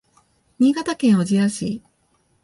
新潟県小千谷市